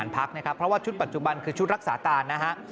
ปัจจุบันคือชุดรักษาตาลนะฮะ